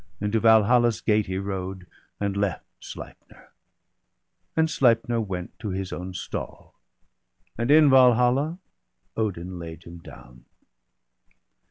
And to Valhalla's gate he rode, and left Sleipner ; and Sleipner \vent to his own stall ; And in Valhalla Odin laid him down.